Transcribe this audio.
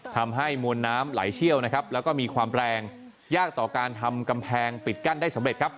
ทำให้มวลน้ำไหลเชี่ยวนะครับแล้วก็มีความแรงยากต่อการทำกำแพงปิดกั้นได้สำเร็จครับ